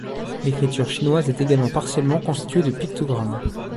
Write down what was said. L'écriture chinoise est également partiellement constituée de pictogrammes.